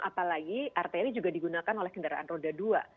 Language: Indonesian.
apalagi arteri juga digunakan oleh kendaraan roda dua